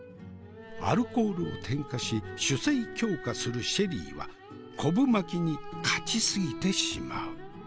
アルコールを添加し酒精強化するシェリーは昆布巻きに勝ち過ぎてしまう。